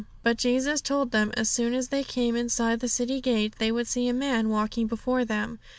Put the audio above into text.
But Jesus told them that as soon as they came inside the city gate they would see a man walking before them.